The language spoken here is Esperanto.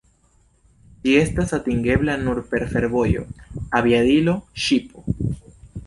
Ĝi estas atingebla nur per fervojo, aviadilo, ŝipo.